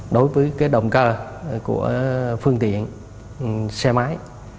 đối với cái động cơ của phương tiện xe máy